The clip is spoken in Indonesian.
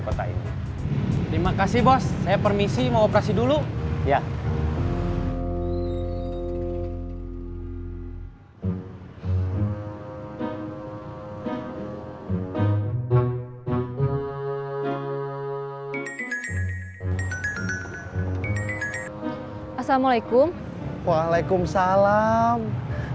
saya ingin mengingatkan anda untuk berpengalaman di dalam perjalanan ini